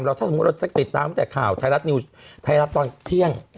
ข่าวไทยรัฐก็ติดตามเราถ้าสมมุติเราจะติดตามแต่ข่าวไทยรัฐตอนเที่ยง